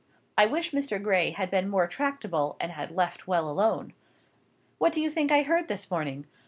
I wish Mr. Gray had been more tractable, and had left well alone. What do you think I heard this morning?